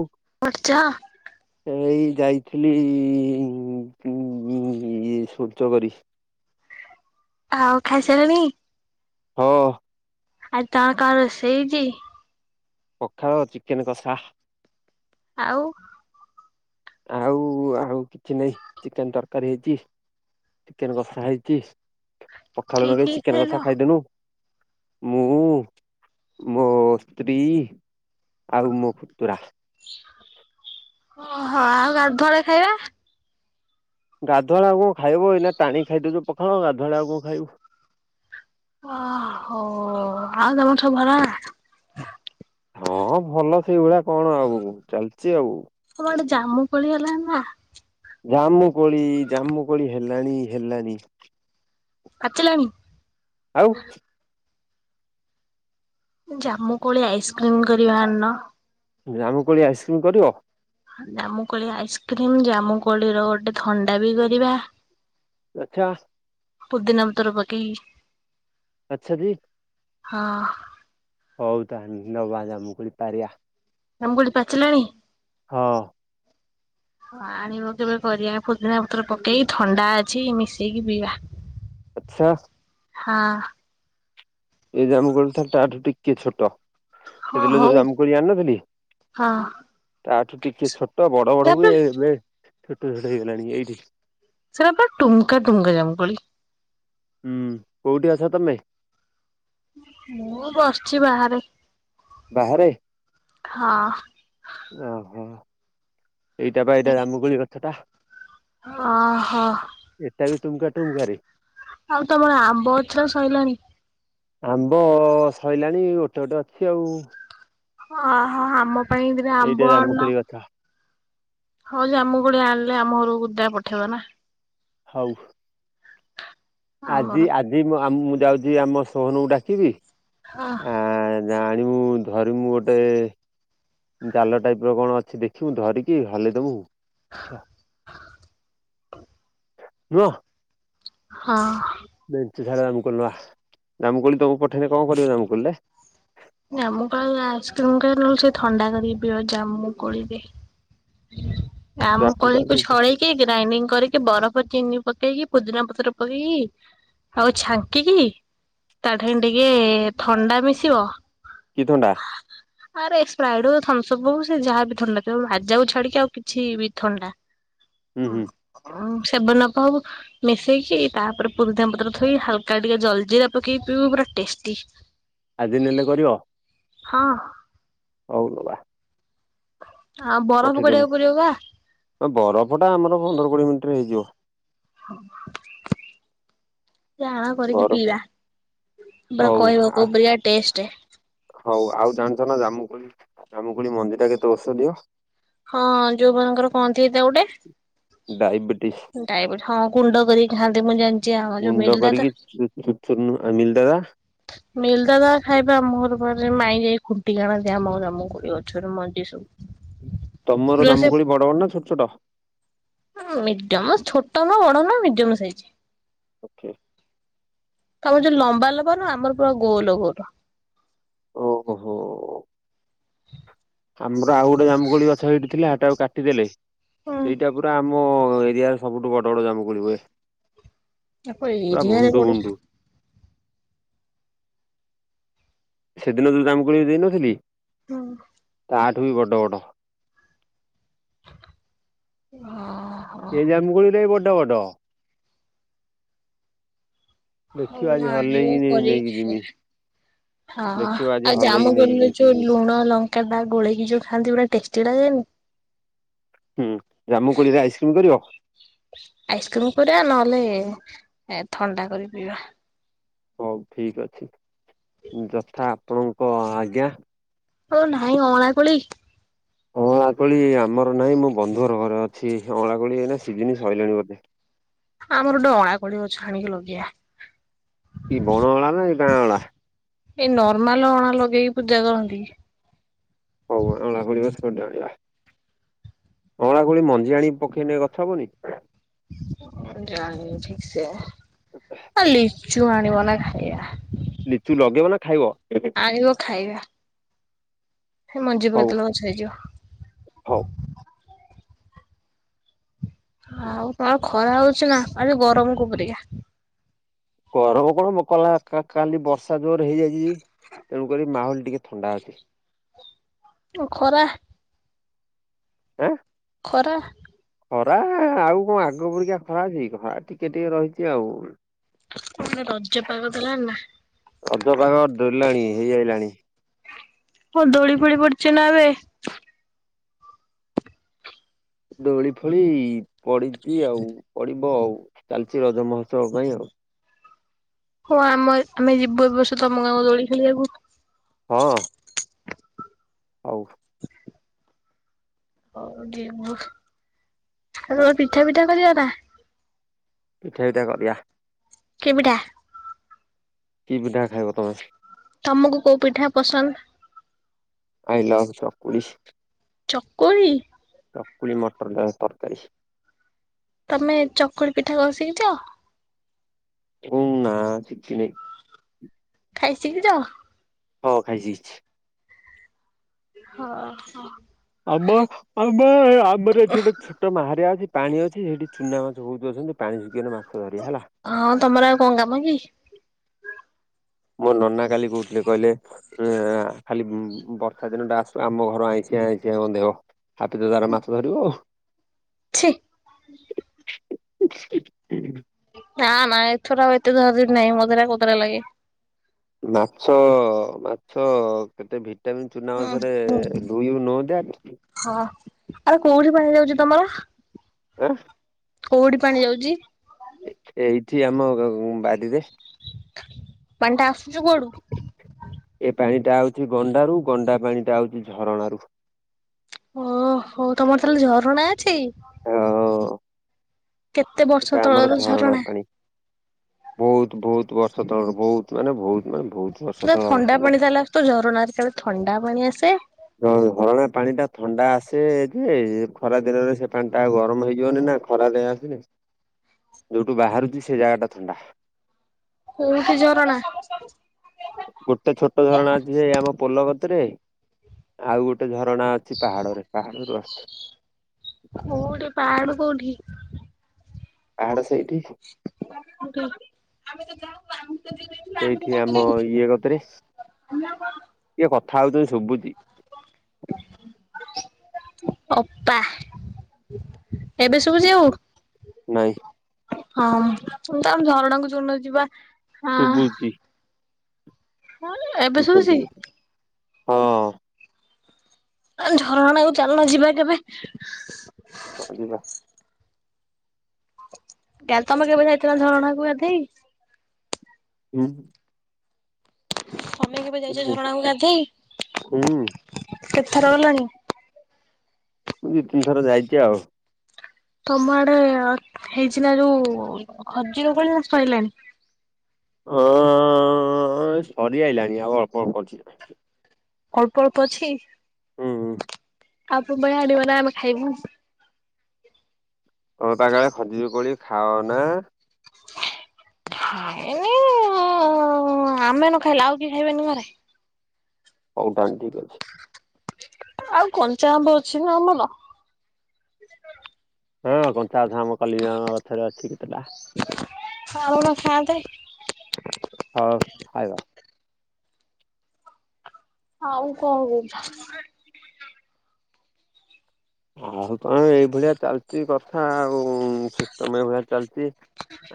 ହୁ ଖର୍ଚ ସେ ଏଇ ଯାଇଥିଲି ଇ ସ୍ୱଚ୍ଛ କରି। ଆଉ ଖାଇସାରିଲଣି? ହଁ ଆଉ କଣ କଣ ରୋଷେଇ ହେଇଛି? ପଖାଳ ଚିକେନ କଷା। ଆଉ ଆଉ ଆଉ କିଛି ନାଇଁ ଚିକେନ ତରକାରୀ ହେଇଛି। ଚିକେନ କଷା ହେଇଚି। ପଖାଳ କି ଲଗେଇ କି ଚିକେନ ଖାଇଲ? କଷା ଖାଇଦବୁ। ମୁଁ ମୋ ସ୍ତ୍ରୀ ଆଉ ମୋ ପୁତୁରା। ଓହୋ ଆଉ ଗାଧୁଆବେଳେ ଖାଇବା। ଗାଧୁଆଳେ ଆଉ କଣ ଖାଇବୁ ଏଇନା ଟାଣିକି ଖାଇଦଉଛୁ ପଖାଳ ଗାଧୁଆଳେ ଆଉ କଣ ଖାଇବୁ। ଓହୋ ଆଉ ତମର ସବୁ ଭଲନା? ହଁ ଭଲ ସେଇଭଳିଆ କଣ ଆଉ ଚାଲିଛି ଆଉ। ହ ଆଡେ ଜାମ୍ମୁ କୋଳି ହେଲାଣି ନା? ଜାମୁ କୋଳି ଜାମୁ କୋଳି ହେଲାଣି ହେଲଣି। ଆଚିଲାଣି ଆଉ ଜାମୁକୋଳି ଆଇସ୍କ୍ରିମ୍ କରିବା ଆଣୁନ। ଜାମୁ କୋଳି ଆଇସ୍କ୍ରିମ୍ କରିବ। ଜାମୁକୋଳି ଆଇସ୍କ୍ରିମ ଜାମୁ କୋଳି ର ଗୋଟେ ଥଣ୍ଡା ବି କରିବା। ଲକ୍ଷା ପୁଦିନା ପତ୍ର ପକେଇକି ଆଛା ଦି ହଁ ହଉ ତାହଲେ ନବା ଜାମୁକୋଳି ପାରିବା। ଆଙ୍ଗୁଳି ପାଚିଲାଣି। ହଁ ହଁ ଆଣିବ କେବେ କରିବା ପୁଦିନ ପତରେ ପକେଇକି ଥଣ୍ଡା ଅଛି ମିଶେଇକି ପିଇବା। ଆଚ୍ଛା ହଁ ଏଇ ଜାମୁକୋଳିଟା ତାଠୁ ଟିକେ ଛୋଟ। ହଁ ସେ ଦିନ ହଉ ଯୋଉ ଜାମୁକୋଳି ଆଣିନଥିଲି ହଁ ତାଠୁ ଟିକେ ଛୋଟ ବଡ଼ ବଡ଼ ହୁଏ, ତାପରେ ଏବେ ଛୋଟ ଛୋଟ ହେଇଗଲାଣି ଏଇଠି ସେଇଟାପ ଟୁମ୍କା ଟୁମ୍କା ଜାମୁକୋଳି। ହୁଁ କୋଉଠି ଅଛ ତମେ? ମୁଁ ବସିଛି ବାହାରେ। ବାହାରେ ହଁ ଓହୋ ଏଇଟା ବା ଏଇଟା ଜାମୁକୋଳି ଗଛ ଟା। ଅ ହଁ। ଏଟା ବି ଟୁମୁକା ଟୁମୁକା ରେ? ଆଉ ତମର ଆମ୍ବ ଗଛରେ ସଇଲାଣି? ଆମ୍ବ ସଇଲାଣି ଗୋଟେ ଗୋଟେ ଅଛି ଆଉ। ଅ ହଁ ଆମ ପାଇଁ ଦି ଟା ଏଇଟା ଆମ୍ବ ଆଣୁନ। ଜାମୁକୋଳି ଗଛ ହଁ ଜାମୁକୋଳି ଆଣିଲେ ଆମ ଘରକୁ ଗୋଟା ପଠେଇବ ନା। ହଉ। ଆମର ଆଜି ଆଜି ମୁଁ ଆ ମୁଁ ଯାଉଛି ଆମ ସୋହନକୁ ଡାକିବି। ହଁ। ଜା ଆଣିବୁ ଧରିମୁୁ ଗୋଟେ। ଜାଲ ଟାଇପ୍ ର କଣ ଅଛି ଦେଖିବୁ ଧରିକି ହଲେଇ ଦବୁ। [inaudible] ରୁହ। ହଁ। ମେଞ୍ଚେ ସାରା ଜାମୁକୋଳି ନବା ଜାମୁକୋଳି ତମକୁ ପଠେଇଲେ କଣ କରିବ ଜାମୁକୋଳି ରେ? ଜାମୁକୋଳି ଆଇସିକ୍ରିମ୍ କରିବା ନହେଲେ ସେ ଥଣ୍ଡା କରିବି ପିବା ଜାମୁକୋଳି ରେ। ଜାମୁକୋଳି କୁ ଛଳେଇ କି ଗ୍ରାଇଣ୍ଡିଙ୍ଗ୍ କରିକି ବରଫ ଚିନି ପକେଇକି ପୋଦିନା ପତ୍ର ପକେଇକି। ଆଉ ଛାଙ୍କିକି ତା ଠେଇ ଟିକେ ଥଣ୍ଡା ମିଶିବ। କି ଥଣ୍ଡା? [inaudible] ଆରେ ସ୍ପ୍ରାଇଟ୍ ହଉ ଥମ୍ସଅପ୍ ହଉ ସେ ଯାହା ବି ଥଣ୍ଡା ଥାଉ ମାଜା କୁ ଛାଡି଼କି ଆଉ କିଛି ବି ଥଣ୍ଡା। ହୁଁ ଉଁ ସେଭେନ୍ ଅଫ୍ ହଉ। ମିଶେଇକି ତାପରେ ପୁଦିନା ପତ୍ର ଥୋଇ ହାଲକା ଟିକେ ଜଲ ଜିରା ପକେଇ ପିଇବୁ ପୁରା ଟେଷ୍ଟି। ଆଜି ନେଲେ କରିବ? ହଁ। ହଉ ନବା। ଆଉ ବରଫ ପଠେଇଦେମୁ କରିବାକୁ ପଡ଼ିବ ବା। ବରଫ ଟା ଆମର ପନ୍ଦର କୋଡ଼ିଏ ମିନିଟ୍ ରେ ହେଇଯିବ। [inaudible] ଦେଇ ଆଣ କରିକି ବରଫ ପିଇବା ତା ପରେ ହଉ କହିବ କୋଉ ପରିକା ଟେଷ୍ଟ। ହଉ ଆଉ ଜାଣିଛ ନା ଜାମୁକୋଳି ଜାମୁକୋଳି ମଞ୍ଜି ଟା କେତେ ଔଷଧୀୟ? ହଁ ଯୋଉ ମାନଙ୍କର କଣ ହେଇଥାଏ ତ ଗୋଟେ। ଡାଇବେଟିସ ଡାଇବିଟ୍ ହଁ ଗୁଣ୍ଡ କରି ଖାଆନ୍ତି ମୁଁ ଯାଣିଛି ଆମ ଯୋଉ ମିଲୁ ଦାଦା। ମିିଲୁ ଦାଦା? ମିଲୁ ଦାଦା ଖାଇବା ଆମ ଘରେ ବାରିରେ ମାଇଁ ଯାଇ ଖୁଣ୍ଟିିକି ଆଣାନ୍ତି ଆମ ଜାମୁକୋଳି ଗଛରୁ ମଞ୍ଜି ସବୁ। ତମର ଯୋଉରା ସେ ଜାମୁକୋଳି ବଡ଼ ବଡ଼ ନା ଛୋଟ ଛୋଟ? ଉଁ ମିଡି଼ୟମ ଛୋଟ ନଁ ବଡ ନଁ ମିଡିୟମ ସାଇଜି। ଓକେ। ତମର ଯୋଉ ଲମ୍ବା ଲମ୍ବା ନୁହଁ ଆମର ପୁରା ଗୋଲ ଗୋଲ। ଓହୋ। ଆମର ଆଉ ଗୋଟେ ଜାମୁକୋଳି ଗଛ ହେଇଠି ଥିଲା ସେଟା କୁ କାଟିଦେଲେ ସେଇଟା ପୁରା ଆମ ଆମ ଏରିଆରେ ସବୁଠୁ ବଡ଼ ବଡ଼ ଜାମୁକୋଳି ହୁଏ। ବାପ ପୁରା ଏରିଆରେ ଭୁଣ୍ଡୁ ବଡ଼। ଭୁଣ୍ଡୁ। ସେଦିନ ଯୋଉ ଜାମୁକୋଳି ଦେଇନଥିଲି? ହୁଁ। ଆଠୁ ବି ବଡ଼, ବଡ଼। ହଁ। ଏଇ ଜାମୁ କୋଳିଟା ବି ବଡ ବଡ। ଦେଖିବା ହଉ ଆଜି ନା ଏ ହଲେଇକି ନେଇକି କରିରି ଯିମି [inaudible] ହଁ ଦେଖିବା ଆଜି ଆଉ ହଲେଇକି ଜାମୁ ନେଇକି କୋଳିରେ ଯିମି ଯୋଉ ଲୁଣ ଲ କେବା ଗୋଳେଇକି ଯୋଉ ଖାଆନ୍ତି ପୁରା ଟେଷ୍ଟି ଲାଗେନି। ହୁଁ ଜାମୁ କୋଳିରେ ଆଇସିକ୍ରିମ୍ କରିବ? ଆଇସ୍କ୍ରିମ୍ କରିବା ନହେଲେ ଥଣ୍ଡା କରିକି ପିଇବା। ହଉ ଠିକ ଅଛି ଯଥା ଆପଣଙ୍କ ଆଜ୍ଞା। ଆଉ ନାଇଁ ଅଁଳା କୋଳି। ଅଁଳାକୋଳି ଆମର ନାହିଁ ମୋ ବନ୍ଧୁ ଘର ଘରେ ଅଛି ଅଁଳାକୋଳିଏଇନା ସିଜିନି ସରିଲାଣି ବୋଧେ। ଆମର ଗୋଟେ ଅଁଳା କୋଳି ଗଛ ଆଣିକି ଲଗେଇବା। ଏଇ ବଣ ଅଁଳା ନା ଏଇ ଗାଁ ଅଁଳା? ଏଇ ନର୍ମାଲ ଅଁଳା ଲଗେଇକି ପୂଜା କରନ୍ତି କି? ହଉ ଅଁଳା କୋଳି ର [unintelligible] ଅଁଳା କୋଳି ମଞ୍ଜି ଆଣି କି ପକେଇଲେ ଗଛ ହବନେହିଁ? ଜାଣିଲି ଠିକ୍ ସେ ଆ ଲିଚୁ ଆଣିବ ନା ଖାଇବା। ଲିଚୁ ଲଗେଇବ ନା ଖାଇବ? ଆଣିବ ଖାଇବା‌ ମଞ୍ଜିି ପକେଇ ହଉ ଦେଲେ ତ ଗଛ ହେଇଯିବ। ହଉ। ଆଉ ତମର ଖରା ହୋଉଚି ନା କାଲି ଗରମ କୋଉ ପରିକା। ଗରମ କଣ କଲା କାଲି ବର୍ଷା ଜୋର ହେଇଯାଇଚି। ତେଣୁକରି ମାହୋଲୁ ଟିକେ ଥଣ୍ଡା ଅଛି। ଓ ଖରା। ହେଁ। ଖରା। ଖରା ଆଉ କଣ ଆଗ ପରିକା ଖରା ଅଛି ଖରା ଟିକେ ଟିକେ ରହିଚି ଆଉ। ରଜ ପାଗ ଦେଲାଣି ନା? ରଜ ପାଗ ଦେଲାଣି ହେଇ ଆାଇଲାଣି଼। ହଁ ଦୋଳି ଫୋଳି ପଡିଚି ନା ଏବେ? ଦୋଳି ଫୋଳି ପଡିଚି ଆଉ ପଡିବ ଆଉ ଚାଲିଚି ରଜ ମହୋତ୍ସବ ପାଇଁ ଆଉ। ହଁ ଆମର ଆମେ ଯିବୁ ଏ ବର୍ଷ ତମ ଗାଁକୁ ଦୋଳି ଖେଳିବାକୁ। ହଁ। ହଉ। ହଉ ଯିବୁ ଆଉ ତମର ପିଠା ଫିଠା କରିବ ନା? ପିଠା ଫିଠା କରିବା। କି ପିଠା? କି ପିଠା ଖାଇବ ତମେ? ତମୁକୁ କୋଉ ପିଠା ପସନ୍ଦ? ଆଇ ଲଭ୍ ଚକୁଳି। ଚକୁଳି। ଚକୁଳି ମଟର ଆଳୁ ତରକାରୀ। ତମେ ଚକୁଳି ପିଠା କରି ଶିଖିଚ? ହୁଁ ନା ଶିଖିନି। ଖାଇ ସିକିଚ। ହ ଖାଇ ଶିକିଚି। ହଁ ହ। ଆମ ଆମ ଆମର ଏଠି ଓଟେ ପୋଟ ବାହାରିଆ ଅଛି ପାଣି ଅଛି ସେଠି ଚୁନା ମାଛ ବୋହୁତୁ ଅଛନ୍ତି ପାଣି ଶୁକିଗଲେ ମାଛ ବାହାରିବେ ହେଲା। ହଁ ତମର ଆଉ କଣ କାମ କି। ମୋ ନନା କାଲି କୋହୁଥିଲେ କହିଲେ ଏଁ ଖାଲି ବର୍ଷା ଦିନ ଟା ଆସୁ ଆମ ଘର ଆଇଁଶିଆ ଆଇଁଶିଆ ଗନ୍ଧେଇବ। ହାପି ତ ତାର ମାଛ ଧରିବ ଆଉ। ଛି। ଁ [inaudible] ନା ନା ଏଥର ଆଉ ଏତେ ଧରା ଧରି ନାହିଁ ମୋଦରା କୋତରା ଲାଗେ। ମାଛ ମାଛ କେତେ ବି ଯେମିତି ଚୁନା ମାଛରେ ହୁଁ ଡୁ ୟୁ ନୋ ଦାଟ? ହଁ ଆରେ କୋଉଠି ପାଣି ଯାଉଚି ତମର? ଆଁ। କୋଉଟି ପାଣି ଯାଉଚି? ଏଇଠି ଆମ ଗ ବାରିରେ। ପାଣି ଟା ଆସୁଚି କୁଆଡୁ? ଏ ପାଣି ଟା ଆଉଚି ଗଣ୍ଡାରୁ ଗଣ୍ଡା ପାଣି ଟା ଆଉଚି ଝରଣା ରୁ। ଓ ହୋ ତମର ତାହେଲେ ଝରଣା ଅଛି? ହଁ ଓ। କେତେ ବର୍ଷ ଏଟା ଆମର ତଳର ଝରଣା ପାଣି। ବୋହୁତୁ ବୋହୁତୁ ବର୍ଷ ତଳର ବୋହୁତୁ ମାନେ ବୋହୁତୁ ମାନେ ବୋହୁତୁ। ନା ଥଣ୍ଡା ପାଣି ତାହେଲେ ଆସୁଥିବ ଝରଣା ଅଛି ଥଣ୍ଡା ପାଣି ଆସେ? ହଁ ହରଣା ପାଣି ଟା ଥଣ୍ଡା ଆସେ ଯେ ଖରା ଦିନରେ ସେ ପାଣି ଟା ଗରମ ହେଇଯିବନି ନା? ଖରା ଦେ ଆସିନି। ହୁଁ [inaudible] ଯୋଉଟୁ ବାହାରୁଚି ସେ ଜାଗା ଟା ଥଣ୍ଡା। କୋଉଠି ଝରଣା? ଗୋଟେ ଛୋଟ ଝରଣା ଅଛି ଯେ ଆମ ପୋଲକତି ରେ ଆଉ ଗୋଟେ ଝରଣା ଅଛି ପାହାଡରେ ପାହାଡରୁ ଆସ୍ଚି। କୋଉଠି ପାହାଡ କୋଉଠି? ପାହାଡ ସେଇଠି। କୋଉ ଠି। ସେଇଠି ଆମ ଇଏ କତିରେ କିଏ କଥା ହୋଉଚନ୍ତି ଶୁବୁଚି। ଅପା। ଏବେ ସୁବୁଚି ଆଉ? ନାଇଁ ହଁ ତ ଆମେ ଝରଣାକୁ ଯୋଉଦିନ ଯିବା ଶୁବୁଚି। ହଁ ଲେ। ହଁ। ଝରଣା କୁ ଚାଲୁନ ଯିବା କେବେ? ହଁ ଯିବା। କା ତମେ କେବେ ଯାଇଚ ନା ଝରଣା କୁଗାଧୋଇ? ହୁଁ। ତମେ କେବେ ଯାଇଚ ହୁଁ ଝରଣାକୁ ଗାଧେଇ ହୁଁ କେତେଥର ଗଲଣି? ମୁଁ ଦି ତିନି ଥର ଯାଇଚି ଆଉ। ତମ ଆଡେ ହେଇଚି ନା ଯୋଉ ଅଜିର ଫଳି ନା ସଇଲାଣି? ଅ ସରି ଆଇଲାଣି ଆଉ ଅଳ୍ପ ଅଳ୍ପ ଅଛି। ଅଳ୍ପ ଅଳ୍ପ ଅଛି? ହୁଁ ହୁଁ। ଆଉ ତୁମେ ଆଣିବ ନା ଆମେ ଖାଇବୁ। ତମେ ପା କୁଆଡେ ଖଜୁରି କୋଳି ଖାଅ ନା? ଖାଏନି ଆମେ ନ ଖାଇଲେ ଆଉ କିଏ ଖାଇବେନି ଘରେ? ହଉ ତାହେଲେ ଠିକ୍ ଅଛି। ଆଉ କଞ୍ଚା ଆମ୍ବ ଅଛି ନା ଆମର? ହଁ କଞ୍ଚାଆମ କଲିଗ ଗଛରେ ଅଛି କେତେଟା? ଆଉଣ ଖାଆନ୍ତେ। ହଉ ଖାଇବା? ଆଉ କଣ କହୁଛୁ? ଆଉ କଣ ଏଇଭଳିଆ ଚାଲିଛି କଥା ଆଉ ସିଷ୍ଟମ ଏଇଭଳିଆ ଚାଲିଛି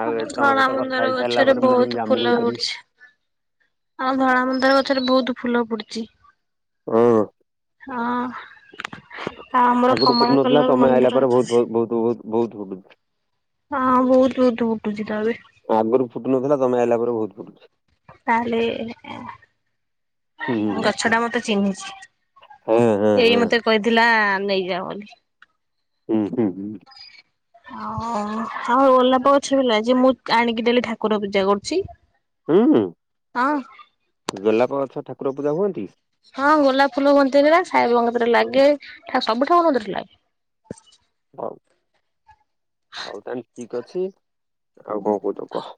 ଆଉ ଏ ତମ ଧଳା ସହିତ କଥା ମନ୍ଦାର ହେଇ ସାରିଲା ଗଛରେ ପରେ ମୁଁ ଯେମିତି ବହୁତ ଜାମୁକୋଳି ଫୁଲ ପାରିବି। ହଉଛି। ଆଉ ଧଳା ମନ୍ଦାର ଗଛରେ ବହୁତ ଫୁଲ ପୁଟିଛି। ହଁ। ଆଉ ଆମର ଆଗରୁୁ କମଳା ଫୁଟୁ ନଥିଲା କଲର ତମେ ଆଣିଲା ମନ୍ଦାର ପରେ ଅଛି। ବହୁତ ବହୁତ ବହୁତ ବହୁତ ହୁ। ହଁ ବହୁତ ବହୁତ ଫୁଟୁଛି ତ ଏବେ। ଆଗରୁ ଫୁଟୁ ନଥିଲା ତମେ ଆଇଲା ପରେ ବହୁତ ଫୁଟୁଛି। ତାହେଲେ ହୁଁ ହୁଁ ଗଛ ଟା ମତେ ଚିହ୍ନିଛି। ହଁ ହଁ ହଁ ଏଇ ମତେ କହିଥିଲା ନେଇଯାଅ ବୋଲି। ହୁଁ ହୁଁ ହୁଁ। ଓ ଆଉ ଗୋଲାପ ଗଛ ହେଲା ଯେ ମୁଁ ଆଣିକି ଡେଲି ଠାକୁର ପୂଜା କରୁଛି। ହୁଁ ହଁ ଗୋଲାପ ଗଛ ଠାକୁର ପୂଜା ହୁଅନ୍ତି? ହଁ ଗୋଲାପ ଫୁଲ ହୁଅନ୍ତିା ସାଇ ବାବା କତିରେ ଲାଗେ ସବୁ ଠାକୁର କତିରେ ଲାଗେ। ହଉ। ହଉ ତାହେଲେ ଠିକ ଅଛି ଆଉ କଣ କହୁଛ କୁହ?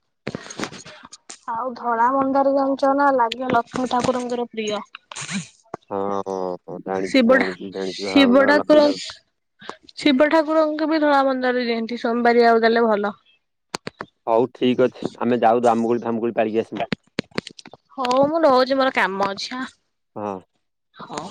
ଆଉ ଧଳା ମନ୍ଦାର ଜାଣିଛ ନା ଲାଗିବ ଲକ୍ଷ୍ମୀ ଠାକୁରଙ୍କର ପ୍ରିୟ। ହଁ ଜାଣିଛି ଶିବ ଠା ଜାଣିଛି ଜାଣିଛି ଧଳା ଶିବ ମନ୍ଦାର ଲକ୍ଷ୍ମୀ ଠାକୁର ଠାକୁରଙ୍କ ଶିବ ଠାକୁରଙ୍କ ବି ଧଳା ମନ୍ଦାର ଦିଅନ୍ତି ସୋମବାର ଆଉ ଦେଲେ ଭଲ। ହଉ ଠିକ ଅଛି ଆମେ ଯାଉୁ ଆମୁ ଫ ଧାମୁଡି ପାରିକି ଆସୁ। ହଉ ମୁଁ ରଉଛି ମୋର କାମ ଅଛି। ହଁ। ହଁ।